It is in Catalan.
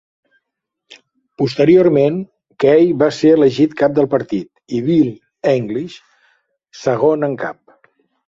Posteriorment, Key va ser elegit cap del partit i Bill English, segon en cap.